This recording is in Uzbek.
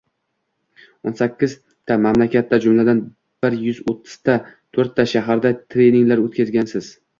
o'n sakkizta mamlakatda, jumladan bir yuz o'ttiz to'rtta shaharda treninglar oʻtkazgansiz.